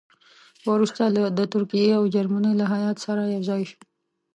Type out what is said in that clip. وروسته د ترکیې او جرمني له هیات سره یو ځای شو.